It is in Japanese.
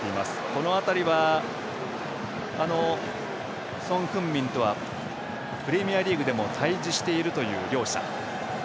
この辺りはソン・フンミンとはプレミアリーグでも対じしているという両者。